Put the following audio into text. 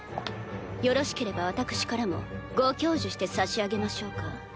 よろしければ私からもご教授してさしあげましょうか？